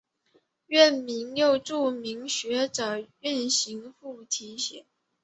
院名又著名学者袁行霈题写。